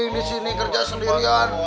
di sini kerja sendirian